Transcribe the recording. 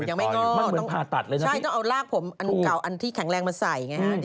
ยังไม่งอกต้องเอารากผมเก่าอันที่แข็งแรงมาใส่ไงคะเหมือนพาตัดเลย